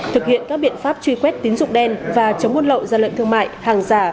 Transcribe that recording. thực hiện các biện pháp truy quét tín dụng đen và chống nguồn lộ ra lệnh thương mại hàng giả